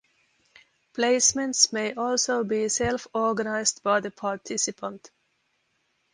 Placements may also be self-organised by the participant.